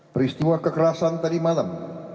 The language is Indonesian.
peristiwa kekerasan tadi malam